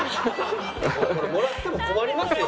もらっても困りますよ。